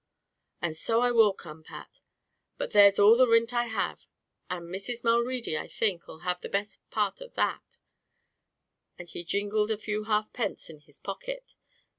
"And so I will come, Pat; but there's all the rint I have, and Mrs. Mulready, I think, 'll have the best part of that," and he jingled a few halfpence in his pocket.